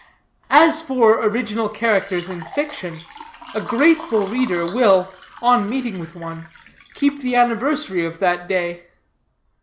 As for original characters in fiction, a grateful reader will, on meeting with one, keep the anniversary of that day.